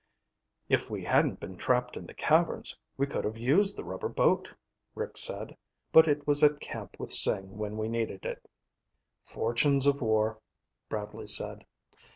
"If we hadn't been trapped in the caverns, we could have used the rubber boat," Rick said. "But it was at camp with Sing when we needed it." "Fortunes of war," Bradley said.